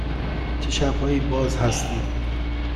چه شب هایی باز هستید؟